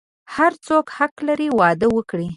هر څوک حق لری واده وکړی